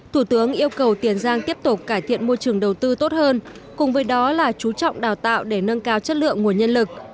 thủ tướng yêu cầu tiền giang tiếp tục cải thiện môi trường đầu tư tốt hơn cùng với đó là chú trọng đào tạo để nâng cao chất lượng nguồn nhân lực